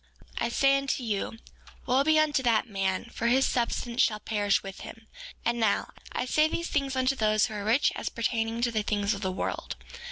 4:23 I say unto you, wo be unto that man, for his substance shall perish with him; and now, I say these things unto those who are rich as pertaining to the things of this world.